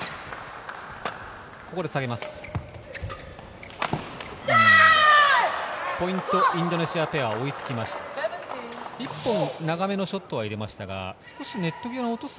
ここで下げます。